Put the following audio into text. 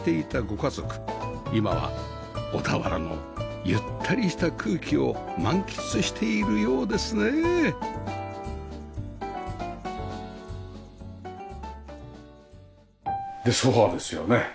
今は小田原のゆったりした空気を満喫しているようですねでソファですよね。